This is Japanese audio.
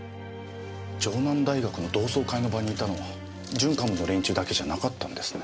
城南大学の同窓会の場にいたのは準幹部の連中だけじゃなかったんですね。